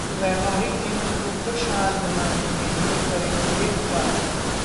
वैवाहिक जीवन को खुशहाल बनाने के लिए करें ये उपाय